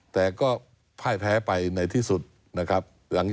แต่ก็พ่ายแพ้ไปในที่สุดนะครับ